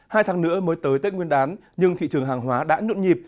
hai tháng nữa mới tới tết nguyên đán nhưng thị trường hàng hóa đã nhộn nhịp